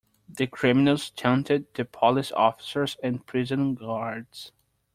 The criminals taunted the police officers and prison guards.